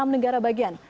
enam negara bagian